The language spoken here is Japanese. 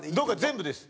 全部です。